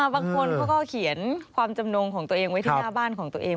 บางคนเขาก็เขียนความจำนงของตัวเองไว้ที่หน้าบ้านของตัวเอง